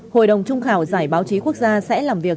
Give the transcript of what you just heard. hội đồng trung khảo giải báo chí quốc gia sẽ làm việc